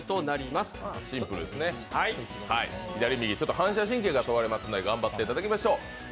反射神経が問われますので、頑張っていただきましょう。